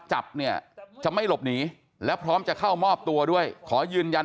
จับเนี่ยจะไม่หลบหนีแล้วพร้อมจะเข้ามอบตัวด้วยขอยืนยัน